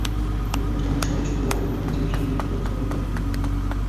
যুক্তরাষ্ট্রের অনেক শহরেই শুক্রবার আগের দুই দিনের চেয়ে বেশিসংখ্যক বিক্ষোভকারী সড়কে নেমে আসেন।